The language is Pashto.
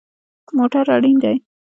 موټر اړین دی